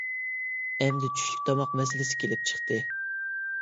ئەمدى چۈشلۈك تاماق مەسىلىسى كېلىپ چىقتى.